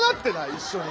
一緒に。